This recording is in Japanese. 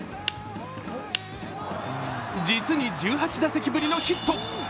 実に１８打席ぶりのヒット。